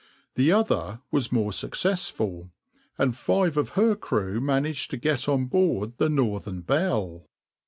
The other was more successful, and five of her crew managed to get on board the {\itshape{Northern Belle}}.